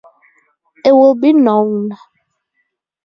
It will be known.